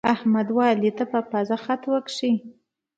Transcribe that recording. احمد، علي ته په پزه خط وکيښ.